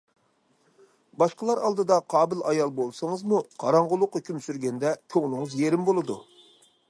باشقىلار ئالدىدا قابىل ئايال بولسىڭىزمۇ، قاراڭغۇلۇق ھۆكۈم سۈرگەندە، كۆڭلىڭىز يېرىم بولىدۇ.